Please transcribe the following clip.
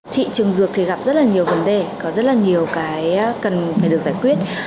thị trường dược thì gặp rất là nhiều vấn đề có rất là nhiều cái cần phải được giải quyết